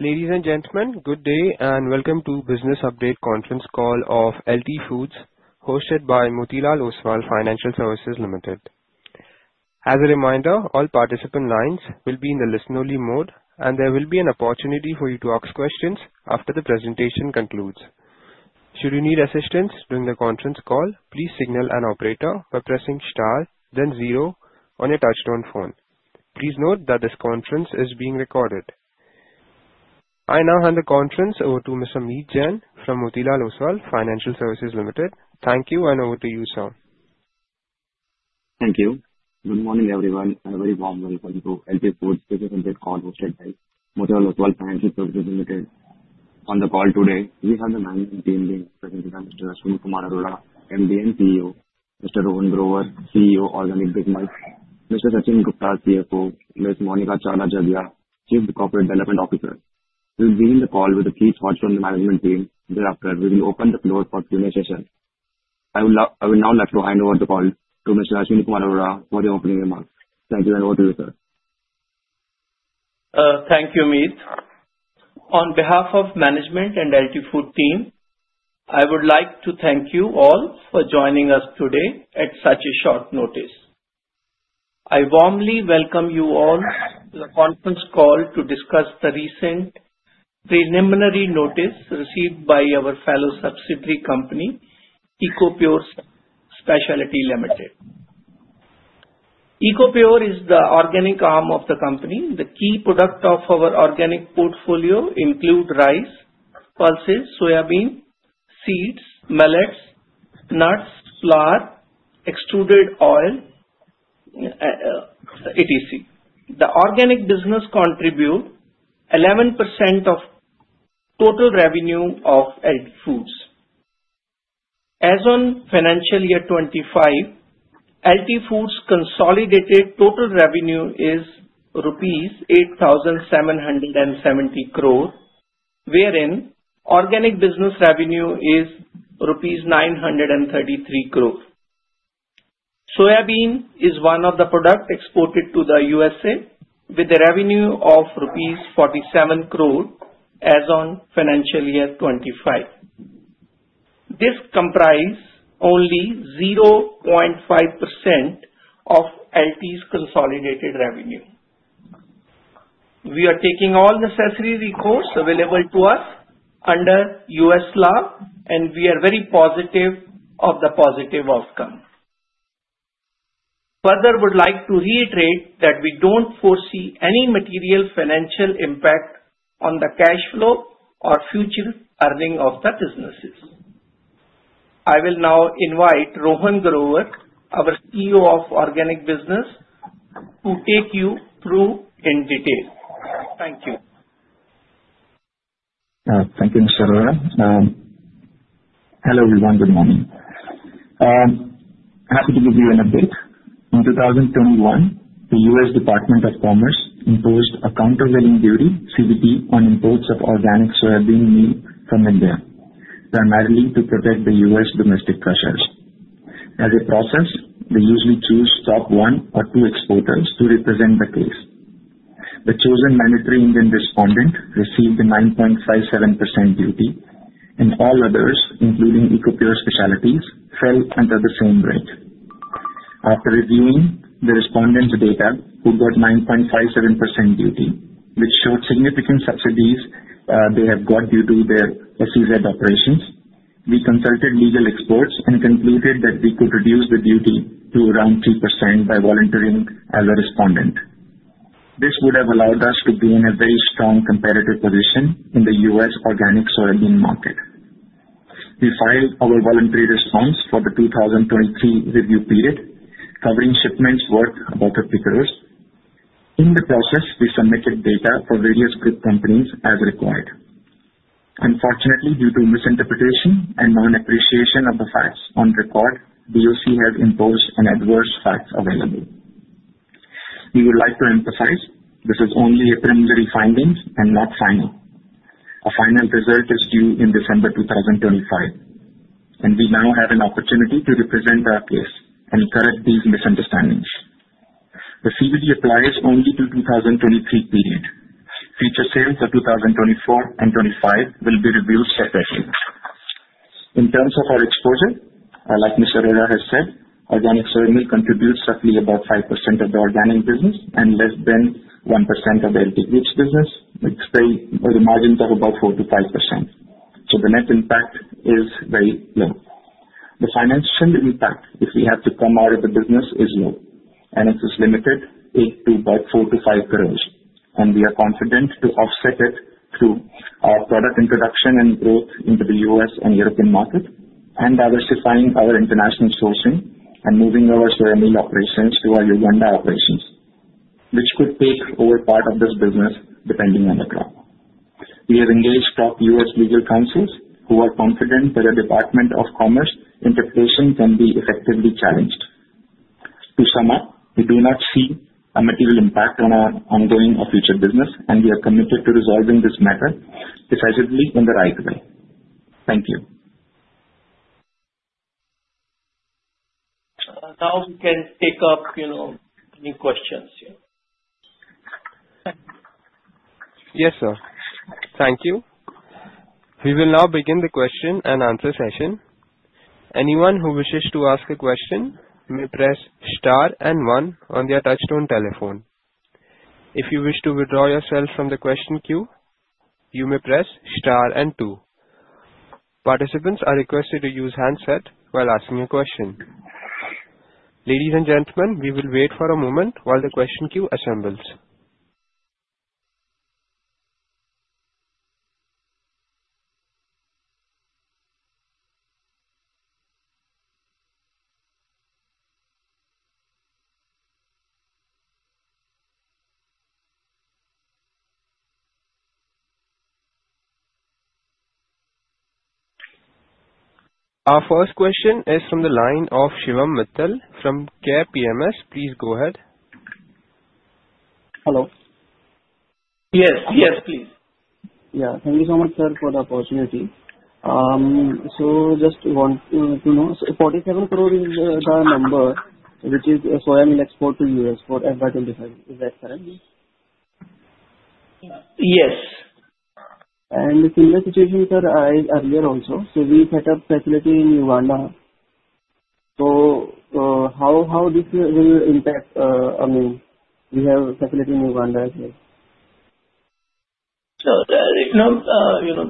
Ladies and gentlemen, good day and welcome to the Business Update Conference Call of LT Foods, hosted by Motilal Oswal Financial Services Limited. As a reminder, all participant lines will be in the listen-only mode, and there will be an opportunity for you to ask questions after the presentation concludes. Should you need assistance during the conference call, please signal an operator by pressing star, then zero on your touch-tone phone. Please note that this conference is being recorded. I now hand the conference over to Mr. Meet Jain from Motilal Oswal Financial Services Limited. Thank you, and over to you, sir. Thank you. Good morning, everyone. A very warm welcome to LT Foods Business Update call hosted by Motilal Oswal Financial Services Limited. On the call today, we have the management team being represented by Mr. Ashwani Kumar Arora, MD and CEO, Mr. Rohan Grover, CEO, Organic Business, Mr. Sachin Gupta, CFO, Ms. Monika Chawla Jaggia, Chief Corporate Development Officer. We'll begin the call with a brief talk from the management team. Thereafter, we will open the floor for Q&A sessions. I will now like to hand over the call to Mr. Ashwani Kumar Arora for the opening remarks. Thank you, and over to you, sir. Thank you, Meet. On behalf of the management and LT Foods team, I would like to thank you all for joining us today at such a short notice. I warmly welcome you all to the conference call to discuss the recent preliminary notice received by our fellow subsidiary company, Ecopure Specialties Limited. Ecopure is the organic arm of the company. The key products of our organic portfolio include rice, pulses, soybean seeds, millets, nuts, flour, extruded oil, etc. The organic business contributes 11% of total revenue of LT Foods. As of financial year 2025, LT Foods' consolidated total revenue is rupees 8,770 crore, wherein organic business revenue is rupees 933 crore. Soybean is one of the products exported to the USA, with a revenue of 47 crore rupees as of financial year 2025. This comprises only 0.5% of LT's consolidated revenue. We are taking all necessary recourse available to us under U.S. law, and we are very positive of the positive outcome. Further, I would like to reiterate that we don't foresee any material financial impact on the cash flow or future earnings of the businesses. I will now invite Rohan Grover, our CEO of the Organic Business, to take you through in detail. Thank you. Thank you, Mr. Rohan. Hello, everyone. Good morning. Happy to give you an update. In 2021, the U.S. Department of Commerce imposed a countervailing duty, CVD, on imports of organic soybean meal from India, primarily to protect the U.S. domestic producers. As a process, they usually choose top one or two exporters to represent the case. The chosen mandatory Indian respondent received a 9.57% duty, and all others, including Ecopure Specialities, fell under the same rate. After reviewing the respondent's data, who got 9.57% duty, which showed significant subsidies they have got due to their SEZ operations, we consulted legal experts and concluded that we could reduce the duty to around 3% by volunteering as a respondent. This would have allowed us to be in a very strong competitive position in the U.S. organic soybean market. We filed our voluntary response for the 2023 review period, covering shipments worth about $100 million. In the process, we submitted data for various group companies as required. Unfortunately, due to misinterpretation and non-appreciation of the facts on record, the DOC has imposed an adverse facts available. We would like to emphasize this is only a preliminary finding and not final. A final result is due in December 2025, and we now have an opportunity to represent our case and correct these misunderstandings. The CVD applies only to the 2023 period. Future sales for 2024 and 2025 will be reviewed separately. In terms of our exposure, like Mr. Rohan has said, organic soybean contributes roughly about 5% of the organic business and less than 1% of the LT Foods business, with a margin of about 4% to 5%, so the net impact is very low. The financial impact, if we have to come out of the business, is low, and it is limited to about 4%-5%, and we are confident to offset it through our product introduction and growth into the U.S. and European market and diversifying our international sourcing and moving our soybean operations to our Uganda operations, which could take over part of this business depending on the crop. We have engaged top U.S. legal counsels, who are confident that the Department of Commerce interpretation can be effectively challenged. To sum up, we do not see a material impact on our ongoing or future business, and we are committed to resolving this matter decisively in the right way. Thank you. Now we can take up any questions. Yes, sir. Thank you. We will now begin the question and answer session. Anyone who wishes to ask a question may press star and one on their touch-tone telephone. If you wish to withdraw yourself from the question queue, you may press star and two. Participants are requested to use handset while asking a question. Ladies and gentlemen, we will wait for a moment while the question queue assembles. Our first question is from the line of Shivam Mittal from KPMS. Please go ahead. Hello. Yes, yes, please. Yeah, thank you so much, sir, for the opportunity. So just want to know, so 47 crore is the number which is soybean export to U.S. for FY 2025. Is that correct? Yes. And similar situation, sir, is earlier also. So we set up facility in Uganda. So how this will impact? I mean, we have facility in Uganda as well. Sure.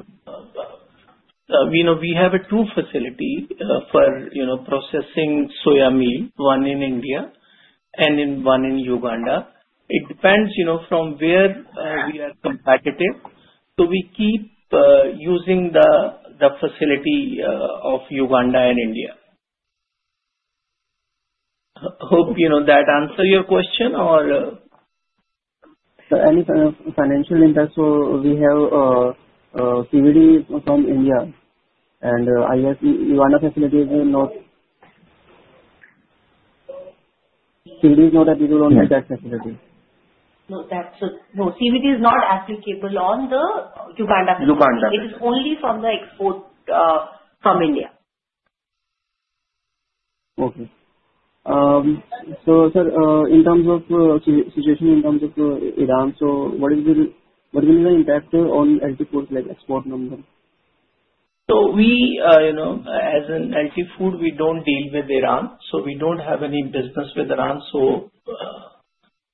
We have two facilities for processing soybean, one in India and one in Uganda. It depends from where we are competitive. So we keep using the facility of Uganda and India. Hope that answers your question or? Any financial impact. We have CVD from India, and I guess Uganda facility is not. CVD is not applicable on that facility. No, CVD is not applicable on the Uganda facility. It is only from the export from India. Okay, so sir, in terms of situation, in terms of Iran, so what is the impact on LT Foods' export number? As an LT Foods, we don't deal with Iran, so we don't have any business with Iran, so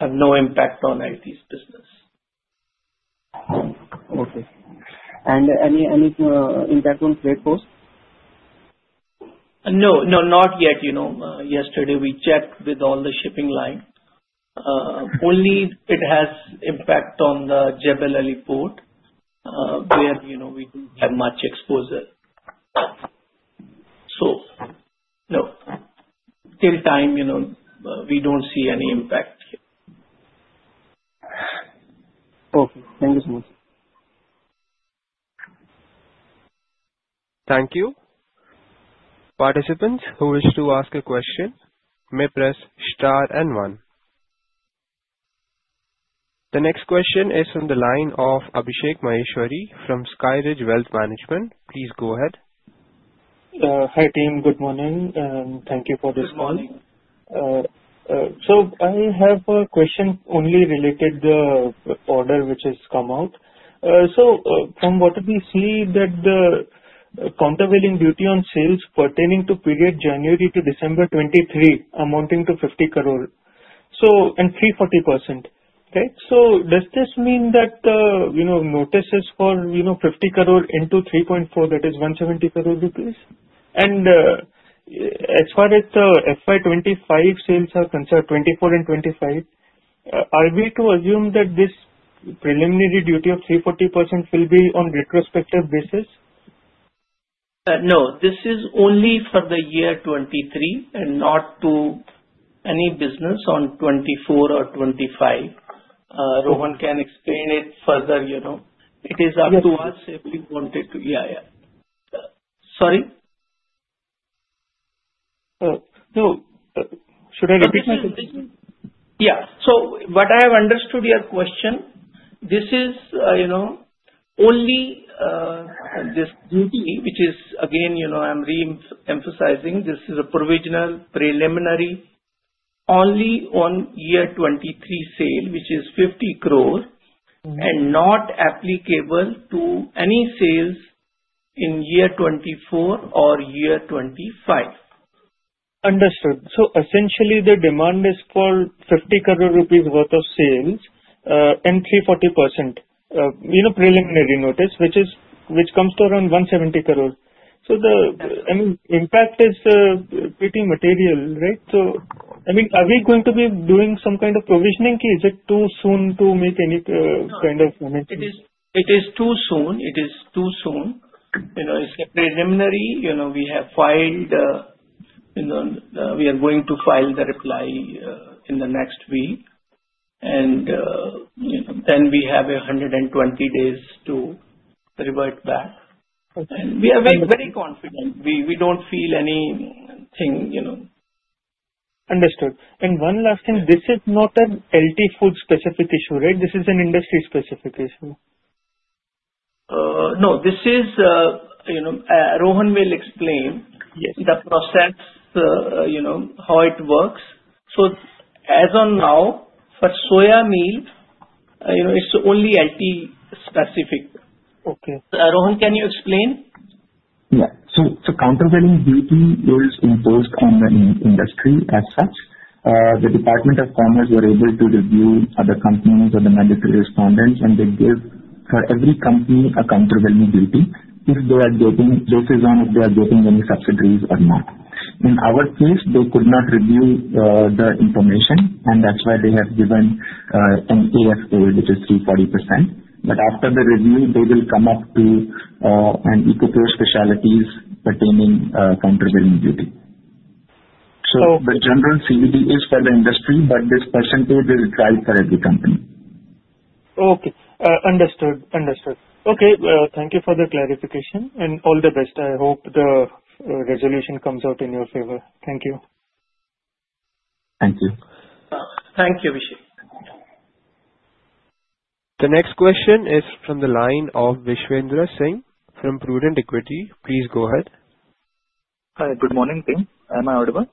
we have no impact on LT Foods' business. Okay, and any impact on trade post? No, no, not yet. Yesterday, we checked with all the shipping lines. Only it has impact on the Jebel Ali port, where we don't have much exposure. So no, still time, we don't see any impact here. Okay. Thank you so much. Thank you. Participants who wish to ask a question may press star and one. The next question is from the line of Abhishek Maheshwari from SkyRidge Wealth Management. Please go ahead. Hi, team. Good morning. Thank you for this call. Good morning. I have a question only related to the order which has come out. From what we see, the countervailing duty on sales pertaining to period January to December 2023 amounting to 50 crore and 340%. Okay. Does this mean that the notices for 50 crore into 3.4, that is 170 crore rupees? And as far as the FY 25 sales are concerned, 2024 and 2025, are we to assume that this preliminary duty of 340% will be on retrospective basis? No, this is only for the year 2023 and not to any business on 2024 or 2025. Rohan can explain it further. It is up to us if we wanted to. Yeah, yeah. Sorry? Oh, no. Should I repeat my question? Yeah. So what I have understood your question, this is only this duty, which is, again, I'm re-emphasizing, this is a provisional preliminary only on year 2023 sale, which is 50 crore, and not applicable to any sales in year 2024 or year 2025. Understood. So essentially, the demand is for 50 crore rupees worth of sales and 340% preliminary notice, which comes to around 170 crore. So the impact is pretty material, right? So I mean, are we going to be doing some kind of provisioning? Is it too soon to make any kind of? It is too soon. It is too soon. It's a preliminary. We are going to file the reply in the next week, and then we have 120 days to revert back. We are very confident. We don't feel anything. Understood. And one last thing. This is not an LT Foods specific issue, right? This is an industry specific issue. No, this is Rohan will explain the process, how it works. So as of now, for soybean, it's only LT specific. Rohan, can you explain? Yeah. So countervailing duty is imposed on the industry as such. The Department of Commerce were able to review other companies or the mandatory respondents, and they give for every company a countervailing duty based on if they are getting any subsidies or not. In our case, they could not review the information, and that's why they have given an AFA, which is 340%. But after the review, they will come up to an Ecopure Specialities pertaining countervailing duty. So the general CVD is for the industry, but this percentage is tied for every company. Okay. Understood. Understood. Okay. Thank you for the clarification, and all the best. I hope the resolution comes out in your favor. Thank you. Thank you. Thank you, Abhishek. The next question is from the line of Vishwendra Singh from Prudent Equity. Please go ahead. Hi. Good morning, team. Am I audible?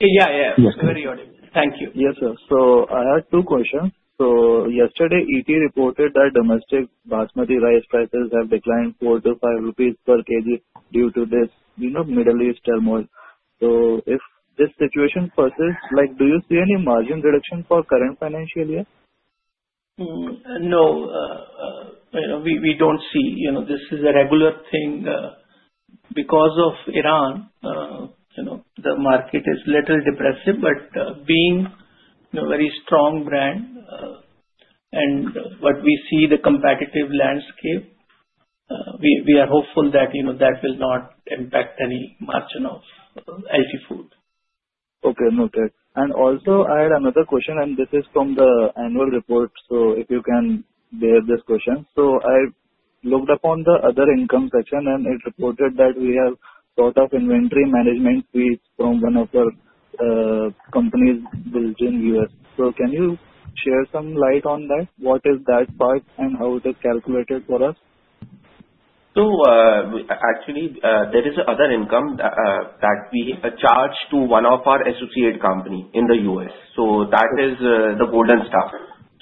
Yeah, yeah. Very audible. Thank you. Yes, sir. So I have two questions. So yesterday, ET reported that domestic basmati rice prices have declined 4-5 rupees per kg due to this Middle East turmoil. So if this situation persists, do you see any margin reduction for current financial year? No. We don't see. This is a regular thing. Because of Iran, the market is a little depressed, but being a very strong brand and what we see, the competitive landscape, we are hopeful that that will not impact any margin of LT Foods. Okay. Noted. And also, I had another question, and this is from the annual report. So if you can bear with this question. So I looked upon the other income section, and it reported that we have sort of inventory management fees from one of our companies based in the US. So can you shed some light on that? What is that part, and how is it calculated for us? So actually, there is another income that we charge to one of our associate companies in the U.S. So that is the Golden Star.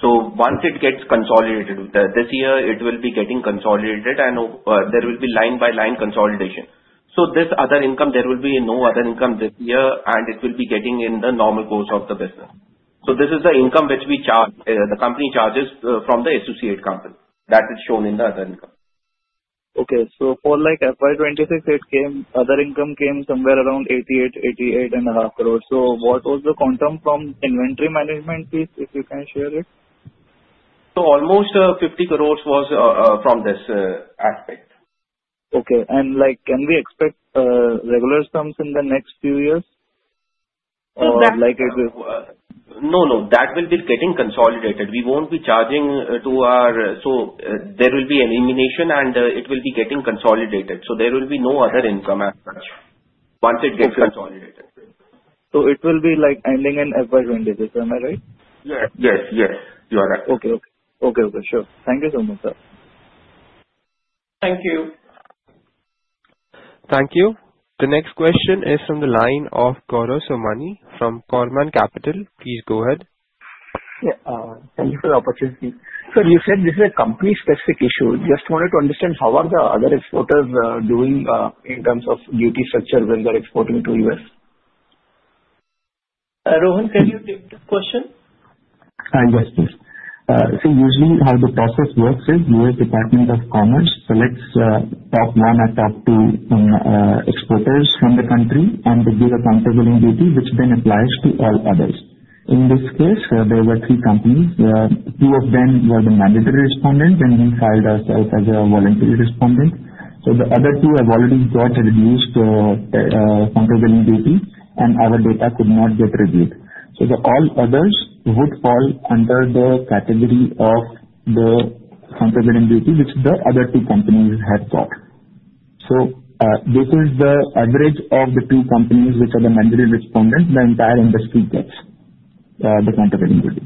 So once it gets consolidated, this year, it will be getting consolidated, and there will be line-by-line consolidation. So this other income, there will be no other income this year, and it will be getting in the normal course of the business. So this is the income which the company charges from the associate company. That is shown in the other income. Okay, so for FY 2026, other income came somewhere around 88.5 crore. What was the quantum from inventory management fees, if you can share it? Almost 500 million was from this aspect. Okay. And can we expect regular sums in the next few years? No, no. That will be getting consolidated. We won't be charging to our standalone, so there will be elimination, and it will be getting consolidated. So there will be no other income as such once it gets consolidated. So it will be ending in FY 2026, am I right? Yes, yes, yes. You are right. Okay. Okay. Sure. Thank you so much, sir. Thank you. Thank you. The next question is from the line of Gaurav Somani from Korman Capital. Please go ahead. Yeah. Thank you for the opportunity. Sir, you said this is a company-specific issue. Just wanted to understand how are the other exporters doing in terms of duty structure when they're exporting to the U.S.? Rohan, can you take the question? Yes, please. So usually, how the process works is the U.S. Department of Commerce selects top one or top two exporters from the country and gives a countervailing duty, which then applies to all others. In this case, there were three companies. Two of them were the mandatory respondents, and we filed ourselves as a voluntary respondent. So the other two have already got reduced countervailing duty, and our data could not get reviewed. So all others would fall under the category of the countervailing duty, which the other two companies had got. So this is the average of the two companies which are the mandatory respondents. The entire industry gets the countervailing duty.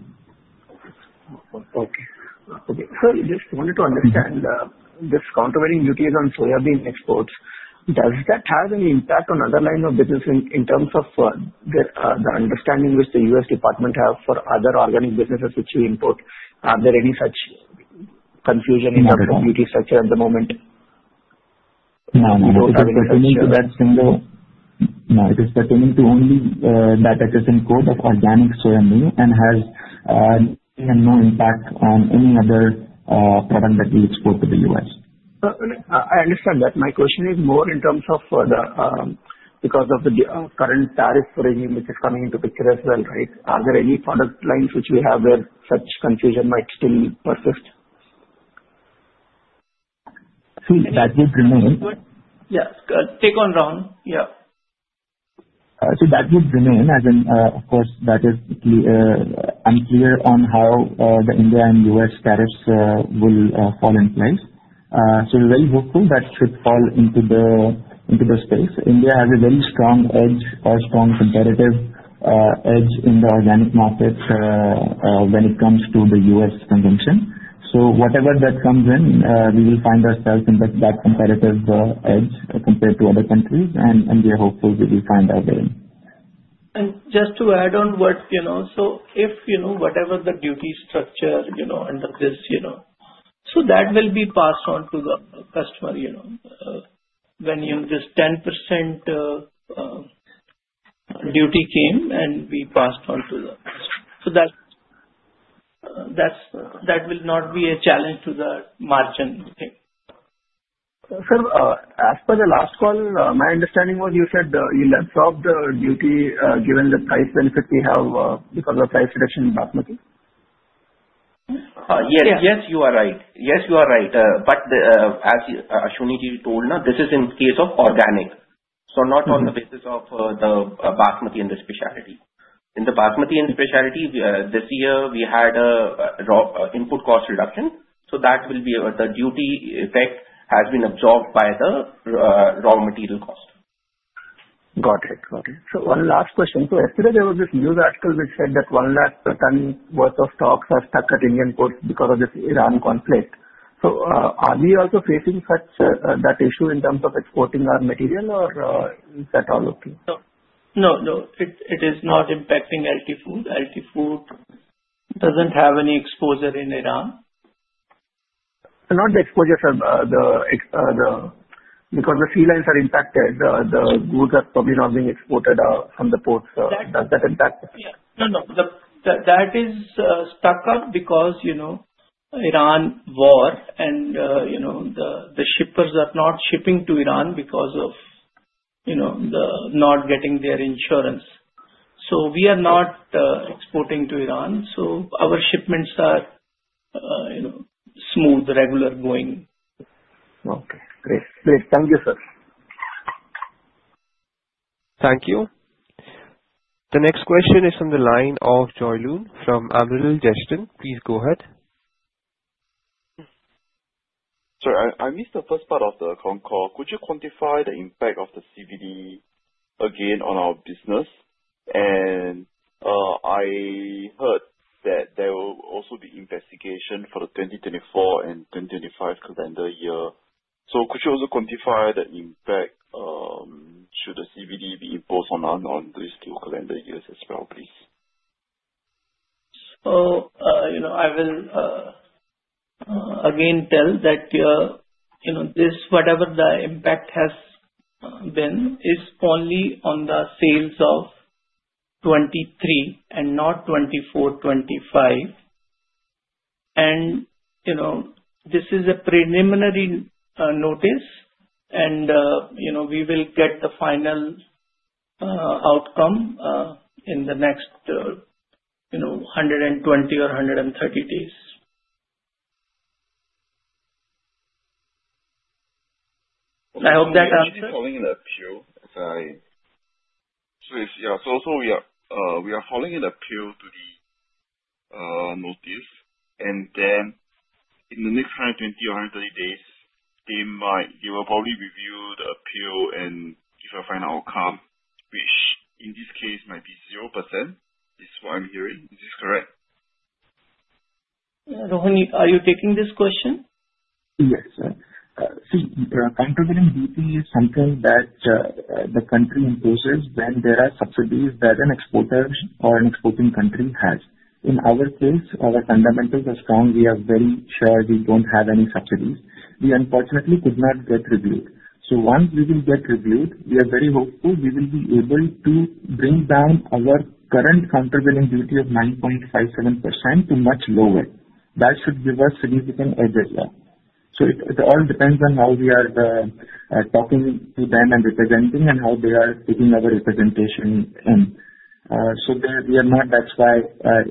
Okay. So just wanted to understand this countervailing duty on soybean exports. Does that have any impact on other lines of business in terms of the understanding which the U.S. Department has for other organic businesses which we import? Are there any such confusion in terms of duty structure at the moment? No, no. It is pertaining to that single No. It is pertaining to only that code of organic soybean and has no impact on any other product that we export to the U.S. I understand that. My question is more in terms of because of the current tariff regime which is coming into the picture as well, right? Are there any product lines which we have where such confusion might still persist? See, that would remain. Yeah. Take on, Rohan. Yeah. See, that would remain as of course. That is unclear on how the India and U.S. tariffs will fall into place. So we're very hopeful that should fall into the space. India has a very strong edge or strong competitive edge in the organic market when it comes to the U.S. consumption. So whatever that comes in, we will find ourselves in that competitive edge compared to other countries, and we are hopeful we will find our way in. Just to add on, whatever the duty structure under this so that will be passed on to the customer when this 10% duty came, and we passed on to the customer. That will not be a challenge to the margin. Sir, as per the last call, my understanding was you said you left off the duty given the price benefit we have because of price reduction in Basmati. Yes, yes, you are right. Yes, you are right. But as Ashwani ji told, this is in the case of organic. So not on the basis of the Basmati and the specialty. In the Basmati and specialty, this year, we had input cost reduction. So that will be the duty effect has been absorbed by the raw material cost. Got it. Got it. So one last question. So yesterday, there was this news article which said that 1 lakh tons worth of stocks are stuck at Indian ports because of this Iran conflict. So are we also facing that issue in terms of exporting our material, or is that all okay? No, no, no. It is not impacting LT Foods. LT Foods doesn't have any exposure in Iran. Not the exposure because the sea lanes are impacted. The goods are probably not being exported from the ports. Does that impact? Yeah. No, no. That is stuck up because Iran war, and the shippers are not shipping to Iran because of not getting their insurance. So we are not exporting to Iran. So our shipments are smooth, regular going. Okay. Great. Great. Thank you, sir. Thank you. The next question is from the line of Jolyon from Amiral Gestion. Please go ahead. Sir, I missed the first part of the call. Could you quantify the impact of the CVD again on our business? And I heard that there will also be investigation for the 2024 and 2025 calendar year. So could you also quantify the impact? Should the CVD be imposed on these two calendar years as well, please? So I will again tell that whatever the impact has been is only on the sales of 2023 and not 2024, 2025. And this is a preliminary notice, and we will get the final outcome in the next 120 or 130 days. I hope that answers. So we are following the prelim to the notice. And then in the next 120 or 130 days, they will probably review the prelim and give a final outcome, which in this case might be 0% is what I'm hearing. Is this correct? Rohan, are you taking this question? Yes. So countervailing duty is something that the country imposes when there are subsidies that an exporter or an exporting country has. In our case, our fundamentals are strong. We are very sure we don't have any subsidies. We, unfortunately, could not get reviewed. So once we will get reviewed, we are very hopeful we will be able to bring down our current countervailing duty of 9.57% to much lower. That should give us significant edge as well. So it all depends on how we are talking to them and representing and how they are taking our representation in. So we are not that far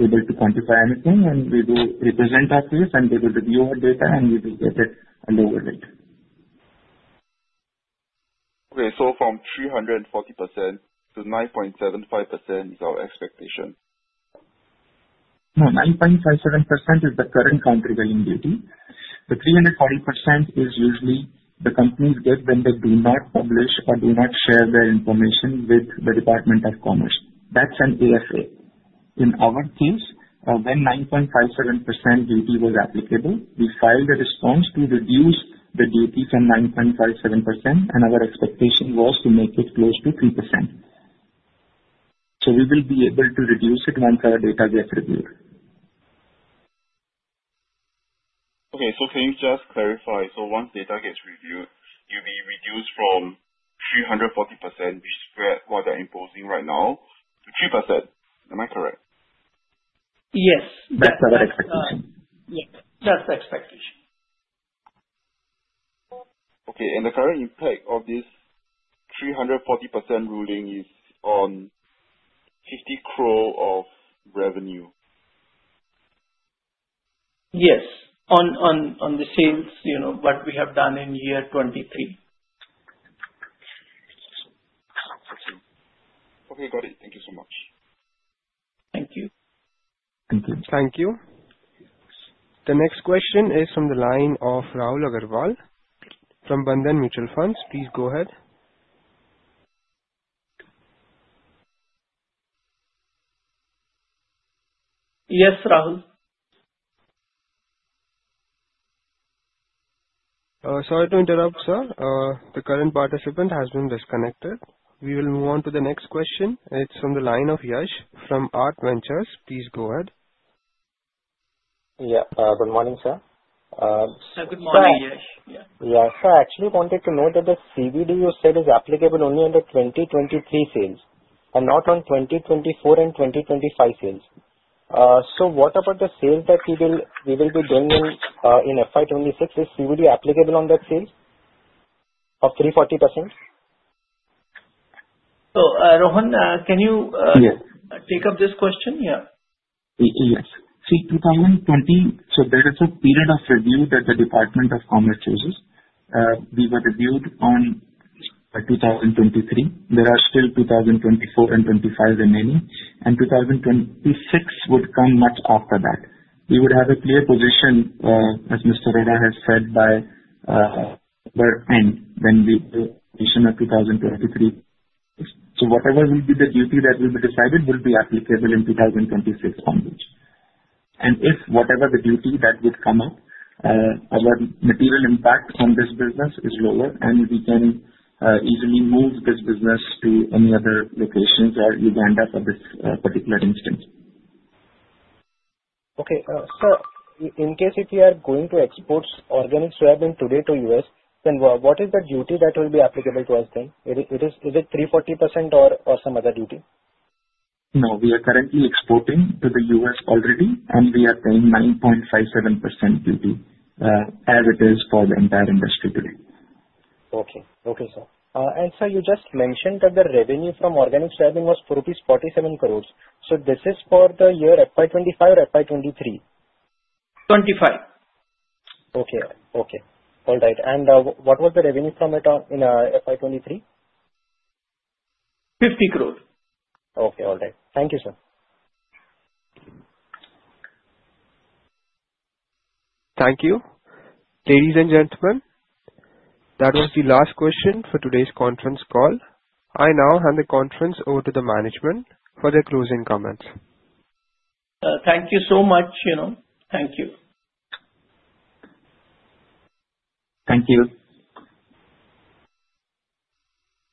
able to quantify anything, and we do represent our case, and they will review our data, and we will get it and over it. Okay. From 340% to 9.75% is our expectation. No, 9.57% is the current countervailing duty. The 340% is usually the companies get when they do not publish or do not share their information with the Department of Commerce. That's an AFA. In our case, when 9.57% duty was applicable, we filed a response to reduce the duty from 9.57%, and our expectation was to make it close to 3%. So we will be able to reduce it once our data gets reviewed. Okay. So can you just clarify? So once data gets reviewed, you'll be reduced from 340%, which is what they're imposing right now, to 3%. Am I correct? Yes, that's our expectation. Yes, that's the expectation. Okay. And the current impact of this 340% ruling is on 50 crore of revenue? Yes, on the sales what we have done in year 2023. Okay. Got it. Thank you so much. Thank you. Thank you. Thank you. The next question is from the line of Rahul Agarwal from Bandhan Mutual Fund. Please go ahead. Yes, Rahul. Sorry to interrupt, sir. The current participant has been disconnected. We will move on to the next question. It's from the line of Yash from Art Ventures. Please go ahead. Yeah. Good morning, sir. Good morning, Yash. Yeah. So I actually wanted to know that the CVD you said is applicable only on the 2023 sales and not on 2024 and 2025 sales. So what about the sales that we will be doing in FY 2026? Is CVD applicable on that sales of 340%? So Rohan, can you take up this question? Yeah. Yes. So there is a period of review that the Department of Commerce uses. We were reviewed on 2023. There are still 2024 and 2025 remaining, and 2026 would come much after that. We would have a clear position, as Mr. Rohan has said, by end, when we do the position of 2023. So whatever will be the duty that will be decided will be applicable in 2026 on this. And if whatever the duty that would come up, our material impact on this business is lower, and we can easily move this business to any other locations or Uganda for this particular instance. Okay. So in case if we are going to export organic soybean today to U.S., then what is the duty that will be applicable to us then? Is it 340% or some other duty? No, we are currently exporting to the U.S. already, and we are paying 9.57% duty as it is for the entire industry today. Okay. Okay, sir, and sir, you just mentioned that the revenue from organic soybean was INR 47 crores. So this is for the year FY 25 or FY 23? 25. Okay. All right. And what was the revenue from it in FY 2023? 50 crore. Okay. All right. Thank you, sir. Thank you. Ladies and gentlemen, that was the last question for today's conference call. I now hand the conference over to the management for their closing comments. Thank you so much. Thank you. Thank you.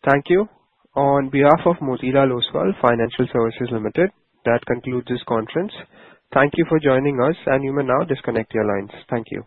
Thank you. On behalf of Motilal Oswal Financial Services Limited, that concludes this conference. Thank you for joining us, and you may now disconnect your lines. Thank you.